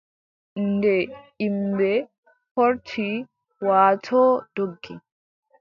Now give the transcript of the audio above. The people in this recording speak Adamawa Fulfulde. Nde yimɓe poorti, waatoo doggi,